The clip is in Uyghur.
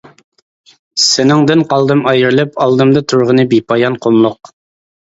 سېنىڭدىن قالدىم ئايرىلىپ، ئالدىمدا تۇرغىنى بىپايان قۇملۇق.